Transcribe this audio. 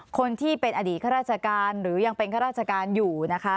คนที่เป็นอดีตข้าราชการหรือยังเป็นข้าราชการอยู่นะคะ